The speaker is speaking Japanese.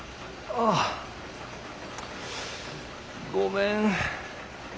ああごめん。